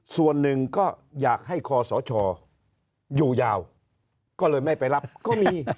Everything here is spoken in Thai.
ส่วนหนึ่งก็อยากให้คอสชอยู่ยาวก็เลยไม่ไปรับก็มี